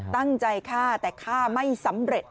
ตั้งใจฆ่าแต่ฆ่าไม่สำเร็จ